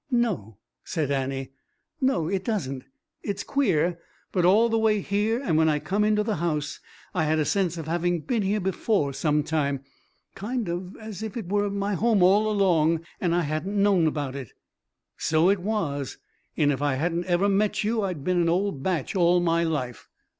"No," said Annie. "No, it doesn't. It is queer, but all the way here, and when I come into the house, I had a sense of having been here before sometime; kind of as if it was my home all along and I hadn't known about it." "So it was and if I hadn't ever met you I'd been an old bach all my life."